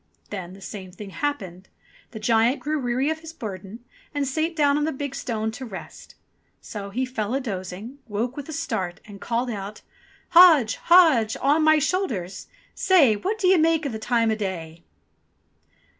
Then the same thing happened. The giant grew weary of his burden, and sate down on the big stone to rest. So he fell a dozing, woke with a start, and called out : "Hodge, Hodge, on my shoulders ! Say What d'ye make the time o' day